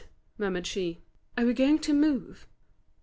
murmured she; "are we going to move?"